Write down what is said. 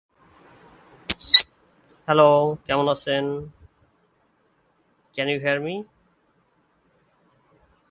তিনি নারীশিক্ষার প্রয়োজনীয়তা আর লিঙ্গসমতার পক্ষে যুক্তি তুলে ধরেছেন।